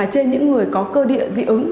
trên những người có cơ địa dị ứng